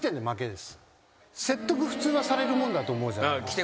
説得普通はされるもんだと思うじゃないですか。